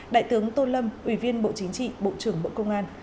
đại tướng tô lâm ủy viên bộ chính trị bộ trưởng bộ công an